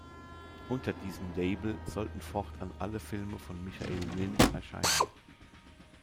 Unter diesem Label sollten fortan alle Filme von Michael Ninn erscheinen.